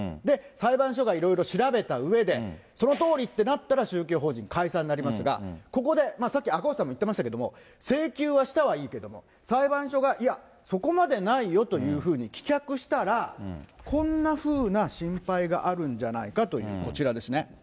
裁判所がいろいろ調べたうえで、そのとおりってなったら、宗教法人解散になりますが、ここで、さっき赤星さんも言ってましたけれども、請求はしたはいいけども、裁判所が、いや、そこまでないよというふうに棄却したら、こんなふうな心配があるんじゃないかという、こちらですね。